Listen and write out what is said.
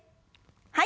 はい。